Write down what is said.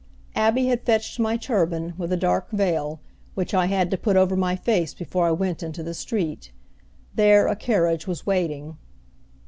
Abby had fetched my turban, with a dark veil, which I had to put over my face before I went into the street. There a carriage was waiting.